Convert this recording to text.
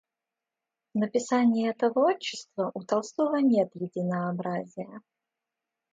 В написании этого отчества у Толстого нет единообразия.